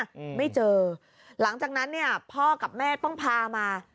อืมไม่เจอหลังจากนั้นเนี้ยพ่อกับแม่ต้องพามา